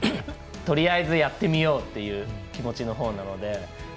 とりあえずやってみようという気持ちのほうなので。